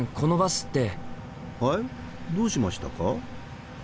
はいどうしましたか？